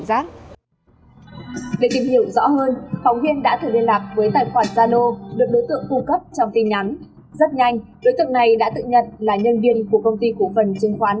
rất nhanh đối tượng này đã tự nhận là nhân viên của công ty cổ phần chứng khoán